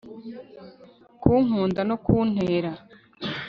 kunkunda no kuntera